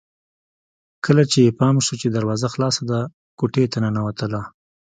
کله چې يې پام شو چې دروازه خلاصه ده کوټې ته ننوتله